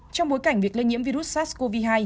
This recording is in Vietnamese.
trong bối cảnh việc lây nhiễm virus sars cov hai